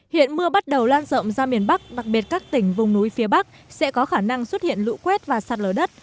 hiện mưa bắt đầu lan rộng ra miền bắc đặc biệt các tỉnh vùng núi phía bắc sẽ có khả năng xuất hiện lũ quét và sạt lở đất